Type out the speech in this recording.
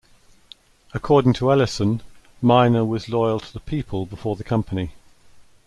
According to Ellison, Miner was loyal to the people before the company.